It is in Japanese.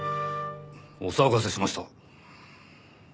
お騒がせしました。